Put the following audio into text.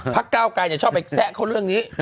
พระเก้ากายเนี่ยชอบไปแซะเข้าเรื่องนี้